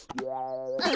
あ。